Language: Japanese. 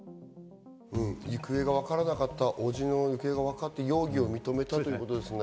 行方がわからなかった伯父の行方がわかって、容疑を認めたということですね。